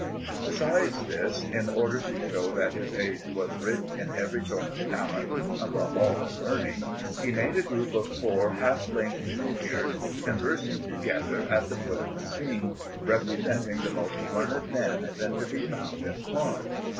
Besides this, in order to show that his age was rich in every sort of talent, above all in learning, he made a group of four half length figures conversing together at the foot of the scene, representing the most learned men then to be found in Florence.